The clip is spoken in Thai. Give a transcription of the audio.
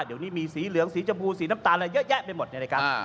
เดี๋ยวนี้มีสีเหลืองสีชมพูสีน้ำตาลอะไรเยอะแยะไปหมดเนี่ยนะครับ